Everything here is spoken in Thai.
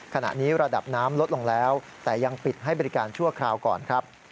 ขณะนี้ระดับน้ำลดลงแล้วแต่ยังปิดให้บริการชั่วคราวก่อนครับ